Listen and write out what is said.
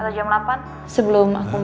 atau jam delapan sebelum aku pulang